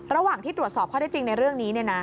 ระหว่างที่ตรวจสอบข้อได้จริงในเรื่องนี้